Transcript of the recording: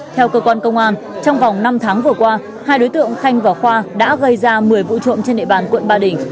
theo cơ quan công an trong vòng năm tháng vừa qua hai đối tượng khanh và khoa đã gây ra một mươi vụ trộm trên địa bàn quận ba đình